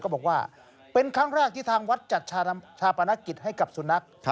บอกว่าเป็นครั้งแรกที่ทางวัดจัดชาปนกิจให้กับสุนัข